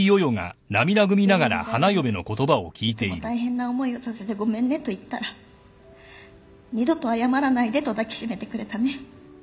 「病院帰りに『いつも大変な思いをさせてごめんね』と言ったら『二度と謝らないで』と抱き締めてくれたね」